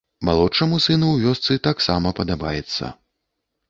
Малодшаму сыну ў вёсцы таксама падабаецца.